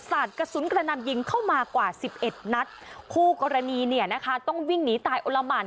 สาดกระสุนกระนำยิงเข้ามากว่าสิบเอ็ดนัดคู่กรณีเนี่ยนะคะต้องวิ่งหนีตายโอละหมาน